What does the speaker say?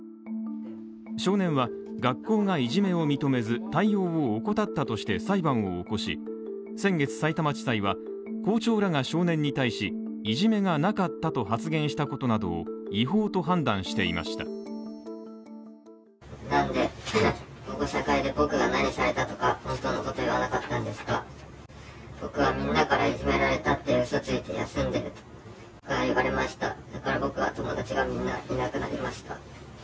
少年は学校がいじめを認めず、対応を怠ったとして裁判を起こし、先月さいたま地裁は、校長らが少年に対し、いじめがなかったと発言したことなどを違法と判断していました。